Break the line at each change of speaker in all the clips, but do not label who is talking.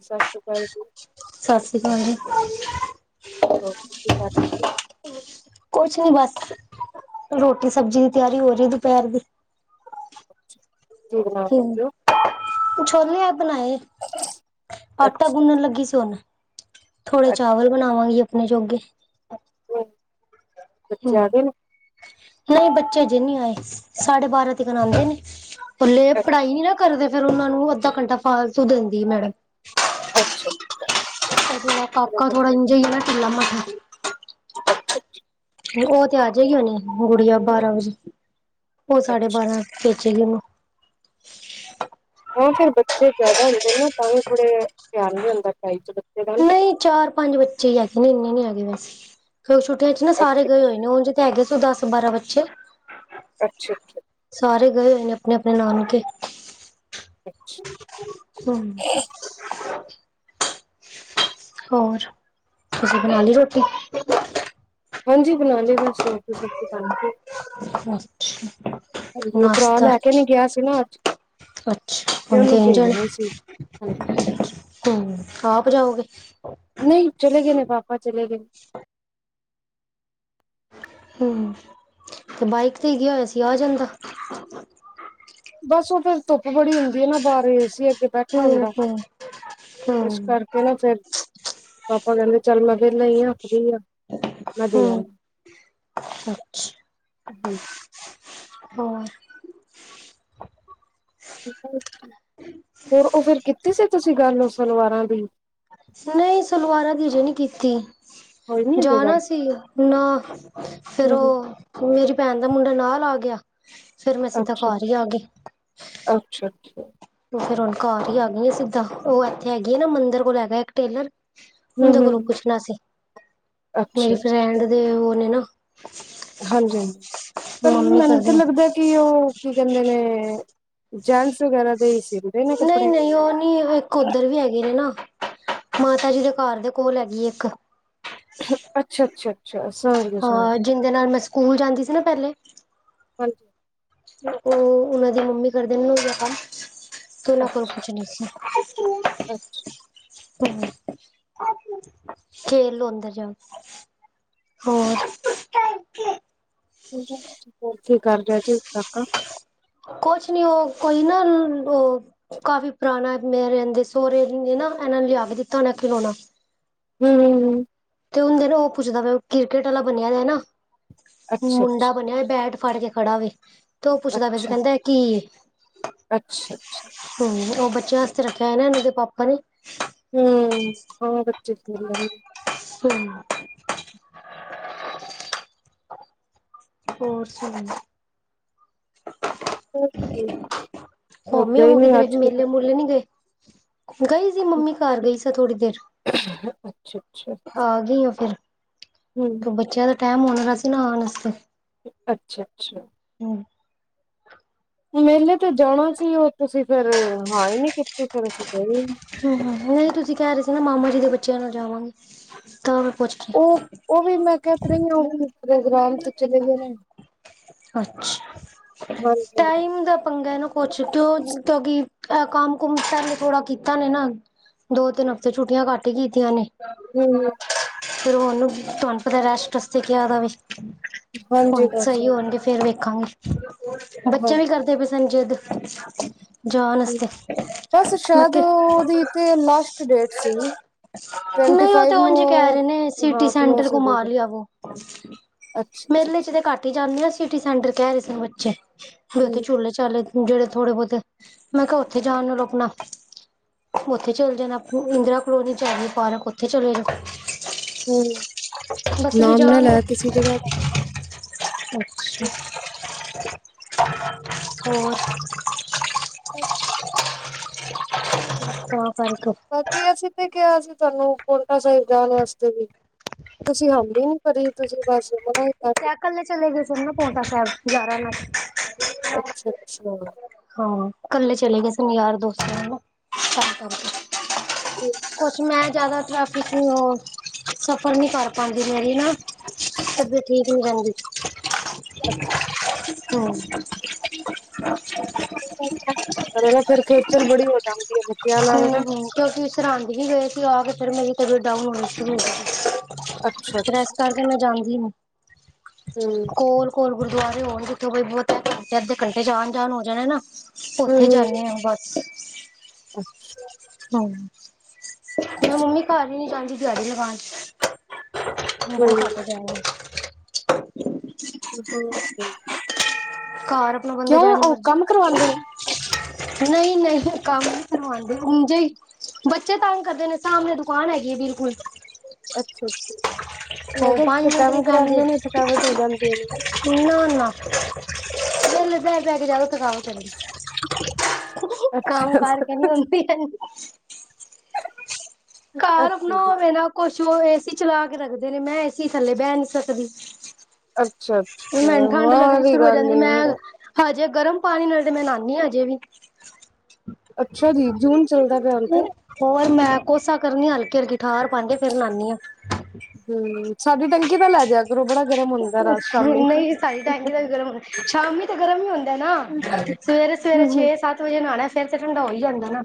ਸਤਿ ਸ਼੍ਰੀ ਅਕਾਲ ਜੀ।
ਸਤ ਸ੍ਰੀ ਅਕਾਲ ਜੀ।
ਹੋਰ ਤੁਸੀ ਕੀ ਕਰ ਰਹੇ ਸੀ।
ਕੁਛ ਨੀ ਬਸ, ਰੋਟੀ ਸਬਜ਼ੀ ਦੀ ਤਿਆਰੀ ਹੋ ਰਹੀ ਦੁਪਹਿਰ ਦੀ।
ਕੀ ਬਨਾ
ਹਮ
ਬੇਠੇ ਹੋ?
ਛੋਲੇ ਅ ਬਣਾਏ, ਆਟਾ
ਅੱਛਾ
ਗੁੰਨਣ ਲੱਗੀ ਸੀ ਹੁਣ ਥੋੜੇ ਚਾਵਲ ਬਣਾਵਾਂਗੀ ਆਪਣੇ ਜੋਗੇ।
ਅੱਛਾ, ਬੱਚੇ
ਹਮ
ਆ ਗਏ ਨੇ?
ਨਹੀਂ ਬੱਚੇ ਅਜੇ ਨਹੀਂ ਆਏ ਸਾਡੇ ਬਾਰਾਂ ਤੇ ਆਉਂਦੇ ਨੇ। ਉਲੇ
ਅੱਛਾ
ਪੜ੍ਹਾਈ ਨੀ ਨਾ ਕਰਦੇ ਫੇਰ ਉਹਨਾ ਨੂੰ ਅੱਧਾ ਘੰਟਾ ਫਾਲਤੂ ਦਿੰਦੀ ਆ ਮੈਡਮ।
ਅੱਛਾ -ਅੱਛਾ।
ਕਾਕਾ ਥੋੜਾ ਇੰਝ ਹੀ ਆ ਨਾ ਟਿਲਾ- ਮੱਠਾ।
ਅੱਛਾ- ਅੱਛਾ।
ਉਹ ਤੇ ਆਜ ਹੀ ਉਹਣੀ ਗੁੜੀਆਂ ਬਾਰਾਂ ਵਜੇ ਉਹ ਸਾਡੇ
ਅੱਛਾ।
ਬਾਰਾਂ। ਭੇਜੇਗੀ ਨੂੰ।
ਹਾਂ ਫੇਰ ਬੱਚੇ ਜ਼ਿਆਦਾ ਹੁੰਦੇ ਨਾ ਤਾਂ ਵੀ ਥੋੜੇ ਧਿਆਨ ਨੀ ਹੁੰਦਾ ਪੜ੍ਹਾਈ ਚ' ਬੱਚੇ ਦਾ
ਨਹੀਂ ਚਾਰ- ਪੰਜ ਬੱਚੇ ਹੀ ਹੈਗੇ ਨੇ ਇੰਨੇ ਨੀ ਹੈਗੇ ਵੈਸ ਕਿਉਂਕਿ ਛੁੱਟੀਆਂ ਚ' ਨਾ ਸਾਰੇ
ਅੱਛਾ
ਗਏ ਹੋਏ ਨੇ ਹਾ ਤੇ ਹੈਗੇ ਏ ਸ ਦਸ -ਬਾਰਾਂ ਬੱਚੇ।
ਅੱਛਾ- ਅੱਛਾ।
ਸਾਰੇ ਗਏ ਹੋਏ ਨੇ ਆਪਣੇ- ਆਪਣੇ ਨਾਨਕੇ।
ਅੱਛ
[inaudible] ਹੋਰ, ਤੁਸੀ ਬਣਾ ਲਈ ਰੋਟੀ?
ਹਾਂਜੀ ਬਣਾਲੀ ਬਸ ਹੋਰ ਕੋਇ ਸਬਜ਼ੀ ਬਣ ਕੇ
ਅੱਛਾ।
ਹਾਂਜੀ ਉਹ ਭਰਾ ਲੈ ਕੇ ਨਹੀਂ ਗਿਆ ਸੀ ਨਾ ਅੱਜ।
ਅੱਛਾ
ਤੇ
ਹੁਣ
ਉਹਨੂੰ
ਕਿਵੇ ਜਾਣ
ਭੇਜਣੀ ਸੀ। ਹਾਂਜੀ,
ਆਪ ਜਾਓਗੇ।
ਨਹੀ ਚਲੇ ਗਏ ਨੇ ਪਾਪਾ ਚਲੇ ਗਏ।
ਹੂੰ ਬਾਈਕ ਤੇ ਗਿਆ ਹੋਇਆ ਸੀ ਆ ਜਾਂਦਾ।
ਬਸ ਉਹ ਫੇਰ ਧੁਪ ਬੜੀ ਹੁੰਦੀ ਹੈ ਨਾ ਬਾਰ ਏ-ਸੀ ਅੱਗੇ ਬੈਠਾ ਹੁੰਦਾ
ਹਮ ਹਮ
ਇਸ
ਹਮ
ਕਰਕੇ ਕਹਦਾ ਫੇਰ ਪਾਪਾ ਕਹਿੰਦੇ ਚੱਲ ਮੈਂ ਵੇਲਾ ਹੀ ਆ ਫਰੀ ਆ। ਨਦੀ
ਹਮ
ਨਾਲ
ਅੱਛਾ
ਹੂ।
ਹਾਂ।
ਹੋਰ ਉਹ ਫੇਰ ਕੀਤੀ ਸੀ ਤੁਸੀਂ ਗੱਲ ਉਹ ਸਲਵਾਰਾਂ ਦੀ?
ਨਈ ਸਲਵਾਰਾਂ ਦੀ ਹਜੇ ਨਹੀਂ ਕੀਤੀ।
ਹੋਈ ਨੀ ਅਜੇ
ਜਾਣਾ
ਗੱਲ
ਸੀ, ਨਾ ਫੇਰ ਉਹ। ਮੇਰੀ ਭੈਣ ਦਾ ਮੁੰਡਾ ਨਾਲ ਆ ਗਿਆ ਫੇਰ ਮੈਂ ਸਿੱਧਾ
ਅੱਛਾ
ਘਰ ਹੀ ਆ ਗਈ।
ਅੱਛਾ ਅੱਛਾ
ਤੇ ਫੇਰ ਹੁਣ ਘਰ ਹੀ ਆ ਗਈ ਆ ਸਿੱਧਾ, ਉਹ ਇੱਥੇ ਹੈਗੀ ਆ ਨਾ ਮੰਦਰ ਕੋਲ ਹੈਗਾ ਇੱਕ ਟੇਲਰ।
ਹੂੰ
ਉਹਦੇ
ਹੂੰ
ਕੋਲੋਂ ਪੁੱਛਣਾ ਸੀ, ਮੇਰੀ
ਅੱਛਾ
ਫਰੈਂਡ ਦੇ ਉਹ ਨੇ ਨਾ।
ਹਾਂਜੀ-ਹਾਂਜੀ, ਪਰ
ਮੰਮੀ
ਮੈਨੂੰ
ਕਰਦੇ
ਤੇ
ਨੇ।
ਲੱਗਦਾ ਕਿ ਉਹ ਕੀ ਕਹਿੰਦੇ ਨੇ। ਜੈਂਟਸ ਵਗੈਰਾ ਦੇ ਹੀ ਸੀਦੇ ਨੇ ਕੱਪੜੇ
ਨਹੀਂ-ਨਹੀਂ, ਉਹ ਨਹੀ ਇੱਕ ਉੱਧਰ ਵੀ ਹੈਗੀ ਹੈਨਾ। ਮਾਤਾ ਜੀ ਦੇ ਘਰ ਦੇ ਕੋਲ ਹੈਗੀ ਏ ਇੱਕ।
ਅੱਛਾ-ਅੱਛਾ-ਅੱਛਾ ਸਮਜ ਗਈ, ਸਮਜ
ਹਾਂ
ਗਈ।
ਜਿੰਦੇ ਨਾਲ ਮੈਂ ਸਕੂਲ ਜਾਂਦੀ ਸੀ ਨਾ ਪਹਿਲੇ।
ਹਾਂਜੀ
ਉਹ ਉਹਨਾਂ ਦੀ ਮੰਮੀ ਕਰਦੇ ਨੇ ਦਾ ਜਿਯਾ ਕੰਮ, ਤੇ ਉਹਨਾਂ ਕੋਲ ਕੁਛ ਨਹੀਂ ਸੀ।
ਅੱਛਾ।
ਹਮ [unintelligible] ਖੇਲ ਲੋ ਅੰਦਰ ਜਾਓ, ਹੋਰ
ਹੋਰ ਕੀ ਕਰ ਰਿਹਾ ਜੀ, ਕਾਕਾ
ਕੁਛ ਨੀ ਉਹ, ਕੋਈ ਨਾ ਉਹ ਕਾਫੀ ਪੁਰਾਣਾ ਮੇ ਰਹਿੰਦੇ, ਸਹੁਰੇ ਨੇ ਨਾ, ਇਹਨਾਂ ਨੇ ਲਿਆ ਕੇ ਦਿੱਤਾ ਉਹਨਾਂ ਖਿਲੌਣਾ।
ਹੂ ਹੂ ਹੂ
ਤੇ ਹੁੰਦੇ ਨਾ ਉਹ ਪੁੱਛਦਾ ਪਯਾ, ਕ੍ਰਿਕੇਟ ਵਾਲਾ ਬਣਿਆ ਦਾ ਨਾ
ਅੱਛਾ
ਮੁੰਡਾ
ਅੱਛਾ
ਬਣਿਆ, ਬੈਟ ਫੜ ਕੇ ਖੜਾ ਵੇ, ਤੇ ਉਹ ਪੁੱਛਦਾ ਪਿਆ ਸੀ
ਅੱਛਾ
ਕਹਿੰਦਾ ਏ ਕੀ ਏ
ਅੱਛਾ, ਅੱਛਾ।
ਹੂ ਉਹ ਬੱਚਿਆਂ ਵਾਸਤੇ ਰੱਖਿਆ ਨਾ, ਇਹਦੇ ਪਾਪਾ ਨੇ।
ਹੂੰ ਆ ਬੱਚੇ ਖੇਲਨ
ਹੂੰ [unintelligible] ਹੋਰ ਸੁਨਾਓ।
[inaudible]
ਮੱਮੀ ਹੋਰ ਕਿਧਰੇ ਮੇਲੇ-ਮੁਲੈ ਨਹੀ ਗਏ, ਗਈ। ਤੇ ਮੰਮੀ ਘਰ ਗਈ ਸਾ ਥੋੜੀ ਦੇਰ,
ਅੱਛਾ ਅੱਛਾ
ਆ ਗਈ ਆ ਫੇਰ।
ਹਮ
ਤੇ ਬੱਚਿਆਂ ਦਾ ਟਾਈਮ ਹੋਣ ਲਗਿਆ ਸੀ ਨਾ, ਆਣ ਵਾਸਤੇ।
ਅੱਛਾ-ਅੱਛਾ
ਹੂ
ਹੁਣ ਮੇਲੇ ਤੇ ਜਾਣਾ ਸੀ, ਉਹ ਤੁਸੀਂ ਫੇਰ ਹਾ ਹੀ ਨਹੀਂ ਕੀਤੀ, ਫਿਰ ਅਸੀ ਗਏ ਨਹੀ।
ਹੂੰ ਨਹੀਂ, ਤੁਸੀਂ ਕਹਿ ਰਹੇ ਸੀ ਨਾ ਮਾਮਾ ਜੀ ਦੇ ਬੱਚਿਆਂ ਨਾਲ ਜਾਵਾਂਗੀ, ਤਾਂ ਮੈਂ ਪੁੱਛ ਕੇ।
ਉਹ ਉਹ ਵੀ ਮੈਂ ਕਹਿ ਤੇ ਰਹੀ ਆਂ, ਉਹ ਗ੍ਰਾਮ ਤੋਂ ਚਲੇ ਗਏ ਨੇ।
ਅੱਛਾ,
ਹਾਂਜੀ
ਟਾਈਮ ਦਾ ਪੰਗਾ ਏ ਨਾ। ਕੁੱਛ ਕਿਉਂ ਕਿਉਂਕਿ ਅ ਕੰਮ ਕੁਮ ਪਹਲੇ ਥੋੜਾ ਕੀਤਾ ਨੇ ਨਾ, ਦੋ ਤਿੰਨ ਹਫ਼ਤੇ ਛੁੱਟੀਆਂ ਘੱਟ ਹੀ ਕੀਤੀਆਂ ਨੇ
ਹੂ ਹੂ
ਫਿਰ ਉਹਨੂੰ ਤੁਹਾਨੂੰ ਪਤਾ ਰੈਸ਼ਟ ਰੇਸਟ ਵਾਸਤੇ ਕੇਯਾ ਦਾ ਵੇ,
ਹਾਂਜੀ
ਹੁਣ
ਬਸ
ਸਹੀ
ਹਾਂ
ਹੋਣਗੇ। ਫੇਰ ਵੇਖਾਂਗੇ, ਬੱਚਿਆਂ
ਹਮ।
ਵੀ ਕਰਦੇ ਪਏ ਸਨ ਜਿਦ ਜਾਨ ਅਸਤੇ,
ਬਸ
ਮੈਂ
ਸ਼ਾਇਦ
ਤੇ
ਉਹਦੀ ਤੇ ਲਾਸਟ ਡੇਟ ਸੀ ਟਵੰਟੀ
ਨਹੀਂ ਉਹ ਤੇ
ਫਾਈਵ ਨੂੰ
ਉਝੇ ਕਹਿ ਰਹੇ ਨੇ, ਸਿਟੀ
ਹਾਂ
ਸੈਂਟਰ
ਕਲੋਸ ਹੋ
ਘੁਮਾ
ਜਾਏਗਾ
ਲਿਆ ਵੋ।
ਅੱਛਾ ਅੱਛਾ
ਮੇਲੇ ਚ
ਅੱਛਾ
ਤੇ ਘੱਟ ਹੀ ਜਾਂਦੇ ਆ, ਸਿਟੀ ਸੈਂਟਰ ਕਹਿ ਰਹੇ ਸੀ ਬੱਚੇ ਵੀ ਉਥੇ
ਹਮ
ਚੁਲੇਚਾਲੇ ਜਿਹੜੇ ਥੋੜੇ ਬਹੁਤੇ, ਮੈਂ ਕਿਹਾ ਉੱਥੇ ਜਾਣ ਨੂੰ ਰੁਕਣਾ। ਉੱਥੇ ਚਲੇ ਜਾਣਾ, ਇੰਦਰਾ ਕਲੋਨੀ ਚ ਹੇਗੀ ਪਾਰਕ ਉੱਥੇ ਚਲੇ ਜਾਣਾ।
ਹਮ
ਬੱਚੇ ਵੀ
ਨਾਮ ਨਾ
ਜਾਣਗੇ
ਲੈ ਕਿਸੇ ਜਗ੍ਹਾ
ਹੋਰ
ਅੱਛਾ।
ਕ ਕਰੜਕ [unintelligible]
ਬਾਕੀ ਅਸੀਂ ਤੇ ਕਿਹਾ ਸੀ, ਅਸੀ ਤੁਹਾਨੂੰ ਪਉਟਾ ਸਾਹਿਬ ਜਾਣ ਵਾਸਤੇ ਵੀ ਤੁਸੀਂ ਹਾਮੀ ਵੀ ਨੀ ਭਰੀ, ਤੁਸੀਂ ਬਸ ਹੋ ਆਏ।
ਕਿਆ ਕੱਲੇ ਚਲੇ ਗਏ ਸਨ ਨਾ ਪਾਉਟਾ ਸਾਹਿਬ ਯ ਯਾਰਾਂ ਨਾਲ।
ਅੱਛਾ-ਅੱਛਾ।
ਹਾਂ ਕੱਲੇ ਚਲੇ ਗਏ ਸਨ ਯਾਰ ਦੋਸਤਾ ਨਾਲ। ਕੁਛ ਮੈਂ ਜਾਦਾ ਟ੍ਰੈਫਿ ਕਿਉਂਕਿ ਉਹ ਸਫ਼ਰ ਨੀ ਕਰ ਪਾਂਦੀ ਮੈਂ ਵੀ ਨਾ। ਤਬੀਅਤ ਠੀਕ ਨੀ ਰਹਿੰਦੀ।
ਅੱਛ
ਹਮ
ਪਰ ਇਹ ਨਾ ਫੇਰ ਖੇਚਲ ਬੜੀ ਹੋ ਜਾਂਦੀ ਹੈ ਬੱਚਿਆਂ ਨਾਲ
ਹਮ
ਨਾ।
ਹਮ ਕਿਉਂਕਿ ਸਰਹਿਦ ਹੀ ਗਏ ਸੀ ਆ ਕੇ ਫਿਰ ਮੇਰੀ ਤਬੀਅਤ ਡਾਊਨ ਹੋਣੀ ਸ਼ੁਰੂ
ਅੱਛਾ
ਫਿਰ ਇਸ
ਅੱਛਾ
ਕਰ ਫੇਰ ਮੈਂ ਜਾਂਦੀ ਨੀ।
ਹਮ।
ਕੋਲ-ਕੋਲ ਗੁਰਦੁਆਰੇ ਹੋਣ ਜਿੱਥੋਂ ਬਹੁਤ ਘੰਟੇ ਅੱਧੇ ਘੰਟੇ ਚ ਆਉਣ ਜਾਣ ਹੋ ਜਾਣਾ ਨਾ। ਉੱਥੇ
ਹੂੰ
ਜਾਨੀ ਹਾਂ ਬਸ
ਹੂੰ
ਹਮ। ਮੈਂ ਮੰਮੀ ਘਰ ਹੀ ਨੀ ਜਾਂਦੀ ਦਿਹਾੜੀ ਲਗਾਣ ਬੜਾ ਘੱਟ
ਹੂੰ
ਜਾਦੀ ਹਾਂ।
[unintelligible]
ਘਰ ਆਪਣਾ ਬੰਦੇ
ਕਿਉਂ
ਜੈਂਜ
ਉਹ
ਮਰਜ਼ੀ
ਕੰਮ ਕਰਵਾਉਂਦੇ ਨੇ
ਨਈ-ਨਈ ਕੰਮ ਨੀ ਕਰਵਾਉ ਉੰਜੇ ਹੀ ਬੱਚੇ ਤੰਗ ਕਰਦੇ ਨੇ ਸਾਮਣੇ ਦੁਕਾਨ ਹੈਗੀ ਏ ਬਿਲਕੁਲ।
ਅੱਛਾ-ਅੱਛਾ ਮੈਂ
ਉਹ
ਕਿਹਾ ਕਿੱਥੇ
ਪੰਜ ਮਿੰਟ ਨੀ
ਕੰਮ
ਬੈਂਦੇ
ਕਰਾਂਦੇ ਨੇ ਥਕਾਵਟ ਹੋ ਜਾਂਦੀ ਹੋਣੀ ਹ।
ਨਾ-ਨਾ ਵੇਲੇ ਬੇਹ-ਬੇਹ ਕੇ ਜਾਦਾ ਥਕਾਵਟ ਕੰਮ
ਅੱਛਾ
ਕਰਕੇ ਨੀ ਹੁੰਦੀ। ਘਰ ਰੁਕਣਾ
ਅੱਛਾ ਜੀ
ਹੋਵੇੇ ਨਾ ਕੁਛ ਔ ਏਸੀ ਚਲਾ ਕੇ ਰੱਖਦੇ ਨੇ ਮੈਂ ਏਸੀ ਥੱਲੇ ਬਹਿ ਨੀ ਸਕਦੀ।
ਅੱਛਾ-ਅੱਛਾ
ਮੈਨੂੰ ਠੰਢ
ਹਾਂ
ਲੱਗਣੀ
ਵੀ
ਸ਼ੁਰੂ ਹੋ
ਗੱਲ
ਜਾਂਦੀ
ਏ
ਮੈਂ ਹਜੇ ਗਰਮ ਪਾਣੀ ਨਾਲ ਤੇ ਮੈਂ ਨਾਉਦੀ ਹ ਹਜੇ ਵੀ।
ਅੱਛਾ ਜੀ ਜੂਨ ਚੱਲਦਾ ਪਿਆ ਹੁਣ ਤੇ
ਹਮ [unintelligible] ਹੋਰ ਮੈਂ ਕੋਸਾ ਕਰਨੀ ਹਲਕੀ-ਹਲਕੀ ਠਾਰ ਪਨ ਕੇ ਫੇਰ ਨਾਨੀ ਹਾਂ।
ਹਮ ਸਾਡੀ ਟੈਂਕੀ ਦਾ ਲੈ ਜਾਆ ਕਰੋ ਬੜਾ ਗਰਮ ਹੁੰਦਾ ਰਾਤ ਸ਼ਾਮੀ।
ਨਹੀਂ ਸਾਡੀ ਟੈਂਕੀ ਦਾ ਵੀ ਗਰਮ ਸ਼ਾਮੀ ਤੇ ਗਰਮ ਈ ਹੁੰਦਾ ਨਾ ਸਵੇਰੇ-ਸਵੇਰੇ ਛੇ-ਸੱਤ ਵਜੇ ਨਾਣਾ। ਫੇਰ ਤੇ ਠੰਡਾ ਹੋ ਹੀ ਜਾਂਦਾ ਨਾ।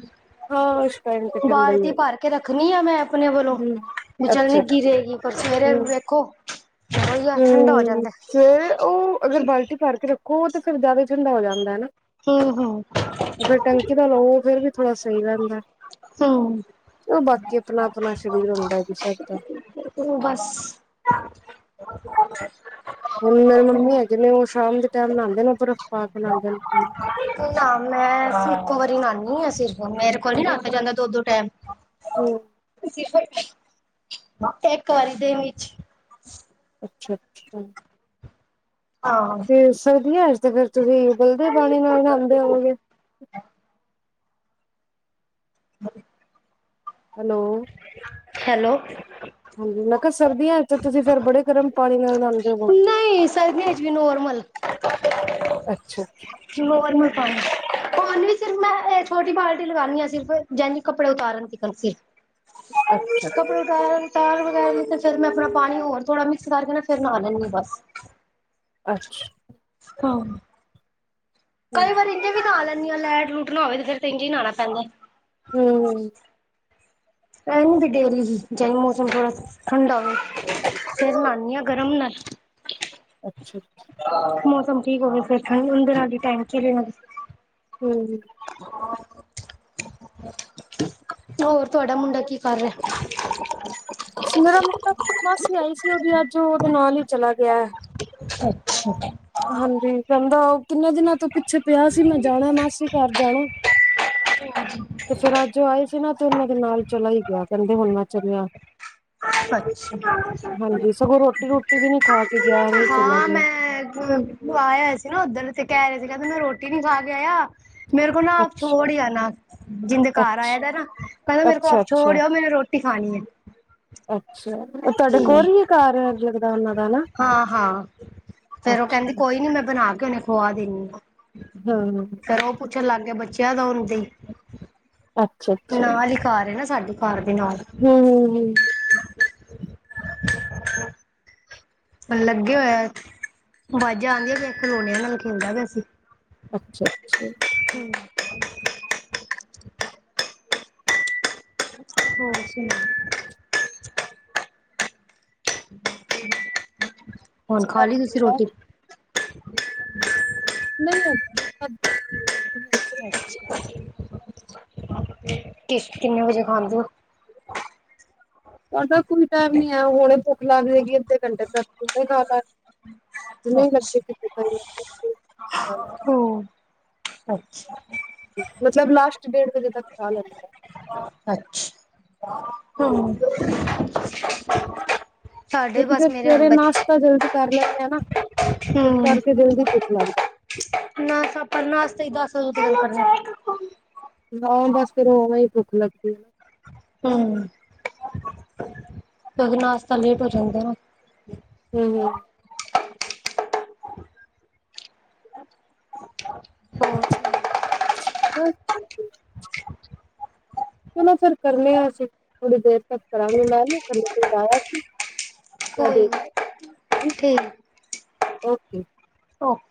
ਹਾ ਸ਼
ਬਾਲਟੀ ਭਰ ਕੇ ਰੱਖਣੀ ਆ ਮੈਂ ਆਪਣੇ ਵੱਲੋ।
ਹੂੰ,
ਮ ਚਲ ਨਿੱਗੀ
ਅੱਛਾ-ਅੱਛਾ
ਰਹੇਗੀ ਪਰ ਸਵੇਰੇ ਵੇਖੋ ਉਹੀ ਆ ਠੰਡਾ ਹੋ
ਹਮ
ਜਾਂਦਾ
ਫਿਰ ਉਹ ਅਗਰ ਬਾਲਟੀ ਭਰ ਕੇ ਰੱਖੋ ਤੇ ਫੇਰ ਜਾਦਾ ਠੰਡਾ ਹੋ ਜਾਂਦਾ ਨਾ।
ਹਮ-ਹਮ।
ਤੇ ਫਿਰ ਟੈਂਕੀ ਦਾ ਲੋ ਫੇਰ ਵੀ ਥੋੜਾ ਸਹੀ ਰਹਿੰਦਾ।
ਹੂੰ
ਉਹ ਬਾਕੀ ਆਪਣਾ ਆਪਣਾ ਸਰੀਰ ਹੁੰਦਾ ਵੀ ਸਭ ਦਾ।
ੳ ਬਸ।
ਹੁਣ ਮੇਰੇ ਮੰਮੀ ਹੈਗੇ ਨੇ ਉਹ ਸ਼ਾਮ ਦੇ ਟੈਮ ਨਾਂਦੇ ਨੇ ਉਹ ਬਰਫ਼ ਪਾ ਕੇ ਨਾਂਦੇ ਦੇ ਨੇ।
ਨਾ ਮੈਂ ਇੱਕੋ ਵਾਰੀ ਨਾਨੀ ਹਾਂ ਸਿਰਫ ਮੇਰੇ ਕੋਲ ਨਹੀਂ ਨਹਾਤਾ ਜਾਂਦਾ ਦੋ-ਦੋ ਟੈਮ।
ਹੂੰ,
ਇੱਕ ਵਾਰੀ ਦੇਨ ਵਿੱਚ
ਅੱਛਾ-ਅੱਛਾ।
ਹਾਂ
ਤੇ ਸਰਦੀਆਂ ਤੇ ਫਿਰ ਤੁਸੀਂ ਉਬਲਦੇ ਪਾਣੀ ਨਾਲ ਨਾਂਉਂਦੇ ਹੋਵੋਗੇ।
ਹਾਂ।
ਹੈਲੋ।
ਹੈਲੋ।
ਹਾਂਜੀ ਮੈਂ ਕਿਹਾ ਸਰਦੀਆਂ ਵਿੱਚ ਤੁਸੀਂ ਫਿਰ ਬੜੇ ਗਰਮ ਪਾਣੀ ਨਾਲ ਨਾ
ਨਹੀ ਸਰਦੀਆ ਵਿਚ ਵੀ ਨੋਰਮਲ।
ਅੱਛਾ-ਅੱਛਾ।
ਨੋਰਮਲ ਪਾਨੀ। ਉਹ ਨਾ ਸਿਰਫ ਮੈਂ ਇਹ ਛੋਟੀ ਬਾਲਟੀ ਲਗਾਉਂਦੀ ਹਾਂ। ਸਿਰਫ ਜਾਨੇ ਕਿ ਕੱਪੜੇ ਉਤਾਰਨ ਲਈ।
ਅੱਛਾ
ਕੱਪੜੇ ਤਾਰ ਵਗੈਰਾ ਫੇਰ ਮੈਂ ਆਪਣਾ ਪਾਣੀ ਹੋਰ ਥੋੜਾ, ਮਿਕਸ ਕਰਕੇ ਨਾ ਫੇਰ ਨਹਾ ਲੈਂਦੀ ਬਸ।
ਅੱਛਾ।
ਹਾਂ। ਕਈ ਵਾਰ ਇੰਝ ਵੀ ਨਹਾ ਲੈਂਦੀ ਹਾਂ। ਲੈਟ- ਲੂਟ ਨਾ ਹੋਵੇ ਤੇ, ਫੇਰ ਇੰਝ ਹੀ ਨਹਾਣਾ ਪੈਂਦਾ।
ਹੂੰ।
ਇਹ ਨੀ ਵੀ ਡੇਲੀ ਹੀ। ਜਾ ਮੌਸਮ ਥੋੜਾ ਠੰਡਾ ਹੋਵੇ ਫੇਰ ਹੀ ਨਹਾਣੀ ਆ। ਗਰਮ ਨਾਲ।
ਅੱਛਾ।
ਮੌਸਮ ਠੀਕ ਹੋ ਗਏ ਫੇਰ ਠੰਡ ਅੰਦਰ ਆ ਕੇਹ ਟਾਈਮ ਚਲੇ
ਹੂੰ।
ਹੋਰ ਤੁਹਾਡਾ ਮੁੰਡਾ ਕੀ ਕਰ ਰਿਹਾ?
ਮੇਰਾ ਮੁ ਤਾਂ ਬਸ ਹੀ ਆਈ ਸੀ ਉਹਦੀ ਅੱਜ ਉਹਦੇ ਨਾਲ ਹੀ ਚਲਾ ਗਿਆ ਹੈ।
ਅੱਛਾ।
ਹਾਂਜੀ, ਕਹਦਾ ਉਹ ਕਿੰਨੇ ਦਿਨਾਂ ਤੋਂ ਪਿੱਛੇ ਪਿਆ ਸੀ। ਮੈਂ ਜਾਣਾ ਮਾਸੀ ਘਰ ਜਾਣਾ। ਤੇ ਫੇਰ ਅੱਜ ਆਏ ਸੀ ਨਾ। ਤੇ ਉਹਨਾਂ ਦੇ ਨਾਲ ਚਲਾ ਹੀ ਗਿਆ। ਕਹਿੰਦੇ ਹੁਣ ਮੈਂ ਚਲਿਆ। ਹਾਂਜੀ ਸਗੋਂ ਰੋਟੀ ਰੋਟੀ ਵੀ ਨੀ ਖਾ ਕੇ ਗਿਆ ਐਵੇਂ
[unintelligible]
ਚਲਾ
ਹਾਂ
ਗਿਆ
ਮੈਂ ਆਇਆ ਸੀ ਨਾ ਉੱਧਰ, ਤੇ ਕਹਿ ਰਹੇ ਸੀ। ਕਹਿੰਦੇ ਮੈਂ ਰੋਟੀ ਨੀ ਖਾ ਕੇ ਆਇਆ। ਮੇਰੇ ਕੋ ਨਾ ਆਪ
ਅੱਛਾ
ਛੋੜ ਹੀ ਆ ਨਾ। ਜਿੰਦੇ ਘਰ ਆਏ ਦਾ ਨਾ। ਕਹਿੰਦਾ
ਅੱਛਾ
ਮੇਰੇ ਕੋ
ਅੱਛਾ
ਆਪ
ਅੱਛਾ
ਛੋੜ ਆਓ ਮੇਨੂੰ ਰੋਟੀ ਰੋਟੀ ਖਾਣੀ ਹੈ।
ਅੱਛਾ, ਤੁਹਾਡੇ ਕੋਲ ਹੀ ਆ ਘਰ, ਜਗਦਾ ਨਾਂ ਦਾ ਹਨਾ।
ਹਾਂ ਹਾਂ ਫੇਰ ਉਹ ਕਹਿੰਦੀ ਕੋਈ ਨੀ। ਮੈਂ ਬਣਾ ਕੇ ਉਹਨੇ ਖੁਆ ਦਿੰਦੀ ਆ।
ਹੂੰ।
ਕੁਛਨ ਲਾਗ ਗਿਆ ਬੱਚਿਆ ਦਾ ਆਉੰਦੇ।
ਅੱਛਾ-ਅੱਛਾ,
ਨਾਲ ਹੀ ਘਰ ਹੈ ਨਾ, ਸਾਡੀ ਘਰ ਦੇ ਨਾਲ।
ਹੂੰ-ਹੂੰ, ਹੂੰ।
ਲੱਗੇ ਹੋਏਆ, ਆਵਾਜ਼ਾਂ ਆਉਂਦੀਆਂ ਪਿਆ। ਖਲੋਣਿਆਂ ਨਾਲ ਖੇਲਦਾ ਪਿਆ ਸੀ।
ਅੱਛਾ- ਅੱਛਾ।
ਹੂੰ। ਹੋਰ ਸੁਣਾ? ਹੁਣ ਖਾ ਲਈ ਤੁਸੀਂ ਰੋਟੀ?
ਨਹੀਂ ਹਜੇ। [unintelligible]
[unintelligible] ਕਿਸ਼ ਕਿੰਨੇ ਵਜੇ ਖਾਂਦੇ ਓ
ਸਾਡਾ ਕੋਈ ਟਾਈਮ ਨੀ ਆ। ਹਲੇ ਭੁੱਖ ਲੱਗ ਜਾਏਗੀ ਅੱਧੇ ਘੰਟੇ ਤੱਕੇ ਫੇਰ ਖਾ ਲਾ
ਅੱਛਾ।
ਡੇਢ ਖਾ
ਆਹੋ ਅੱਛਾ।
ਮਤਲਬ ਲਾਸਟ ਡੇਢ ਵਜੇ ਤੱਕ ਖਾਹ ਲੈਂਦੇ।
ਅੱਛਾ ਹੂੰ।
ਕਿਉਂਕਿ ਫੇਰ ਸਵੇਰੇ ਨਾਸ਼ਤਾ ਜਲਦੀ ਕਰ ਲੈਂਦੇ ਆ ਨਾ। ਇਸ
ਹਮ
ਕਰਕੇ ਜਲਦੀ ਭੁੱਖ ਲੱਗ ਜਾਂਦੀ।
ਨਾਸ਼ਤਾ ਆਪਾ ਨਾਸਤਾ ਹੀ ਦੱਸ ਵਜੇ ਤਕ ਕਰਨੇ ਆ।
ਨੋ, ਦਸ ਫੇਰ ਉਵੇਂ ਹੀ ਭੁੱਖ ਲੱਗਦੀ ਹੈ।
ਹਾ ਕਦੇ ਨਾਸ਼ਤਾ ਲੇਟ ਹੋ ਜਾਂਦਾ ਏ।
ਹੂੰ।
ਹੋਰ
ਬ ਚਲੋ ਫੇਰ ਕਰਨੇ ਆ ਅਸੀਂ। ਥੋੜੀ ਦੇਰ ਤੱਕ ਕਰਾਂਗੇ ਮੈਂ ਨਾ ਥਲੇ ਕੋਈ ਆਇਆ। ਸੀ ਓਕੇ
ਕੋਈ ਠੀਕ ਓਕੇ।